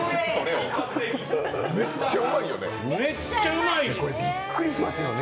めっちゃうまいよね？